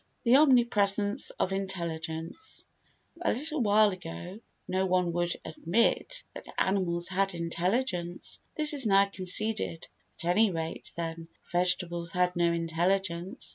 The Omnipresence of Intelligence A little while ago no one would admit that animals had intelligence. This is now conceded. At any rate, then, vegetables had no intelligence.